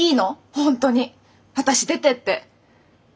本当に私出てって。